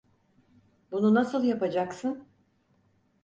Bunu nasıl yapacaksın?